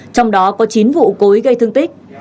trong đó có chín vụ cối gây thương tích